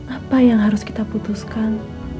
apa yang harus kita putuskan